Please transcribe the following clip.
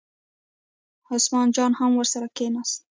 عثمان جان هم ورسره کېناست.